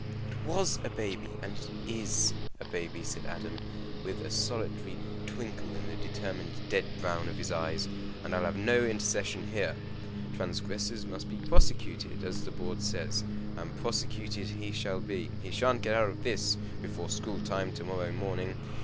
"It was a baby, and it is a baby," said Adam, with a solitary twinkle in the determined dead brown of his eyes. "And I'll have no intercession here. Transgressors must be prosecuted, as the board says. And prosecuted he shall be. He sha'n't get out of this before school time to morrow morning.